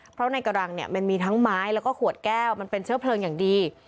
เพราะในกระดังเนี่ยมันมีทั้งไม้แล้วก็ขวดแก้วมันเป็นเชื้อเพลิงอย่างดี